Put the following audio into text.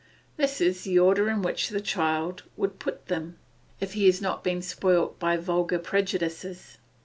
This is the order in which the child will put them, if he has not been spoilt by vulgar prejudices.